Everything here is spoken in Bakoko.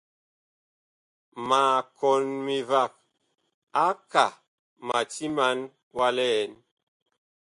Ma kɔn mivag akaa ma timan wa li ɛn.